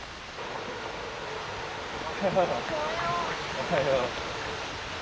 おはよう。